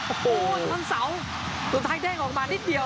โอ้โหวันเสาร์สุดท้ายเด้งออกมานิดเดียว